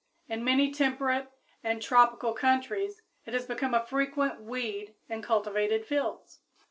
In many temperate and tropical countries it has become a frequent weed in cultivated fields.